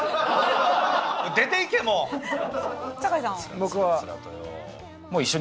僕は。